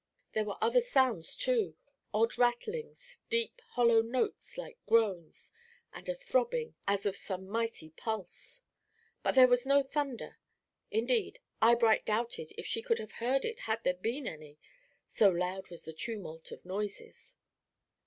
There were other sounds, too, odd rattlings, deep hollow notes like groans, and a throbbing as of some mighty pulse, but there was no thunder; indeed Eyebright doubted if she could have heard it had there been any, so loud was the tumult of noises.